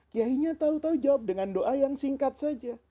kiainya tau tau jawab dengan doa yang singkat saja